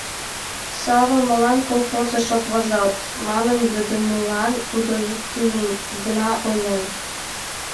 «Сава, молан колхозыш от возалт?» манын йодмылан тудо иктым гына ойлен: